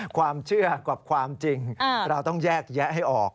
ความเชื่อกับความจริงเราต้องแยกแยะให้ออก